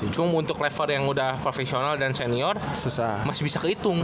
cuma untuk level yang udah profesional dan senior susah masih bisa kehitung